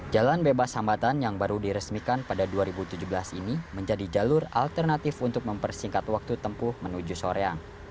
jalan bebas hambatan yang baru diresmikan pada dua ribu tujuh belas ini menjadi jalur alternatif untuk mempersingkat waktu tempuh menuju soreang